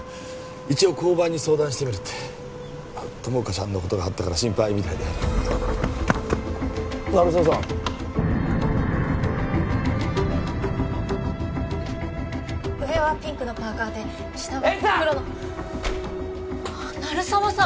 一応交番に相談してみるって友果ちゃんのことがあったから心配みたいで鳴沢さん上はピンクのパーカーで下は黒の絵里さん！